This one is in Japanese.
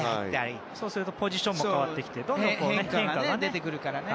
そうするとポジションも変わってどんどん変化が出てきますからね。